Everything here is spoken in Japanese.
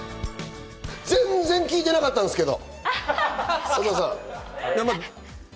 全然聞いてなかったんですけど。